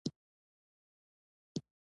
چې تاسو څوک یاست دا حقیقت دی.